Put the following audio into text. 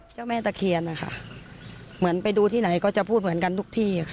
เจ้าแม่ตะเคียนนะคะเหมือนไปดูที่ไหนก็จะพูดเหมือนกันทุกที่ค่ะ